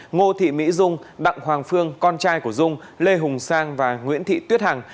ngô thị mỹ dung đặng hoàng phương con trai của dung lê hùng sang và nguyễn thị tuyết hằng